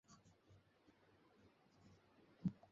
অনেক ডাকাডাকির পরে বেলা দুইটার সময় ভাইকে খুঁজিয়া বাহির করিল।